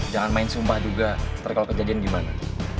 jangan main sumpah juga ntar kalo kejadian gimana